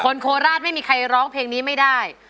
โคราชไม่มีใครร้องเพลงนี้ไม่ได้